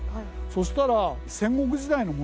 そしたら。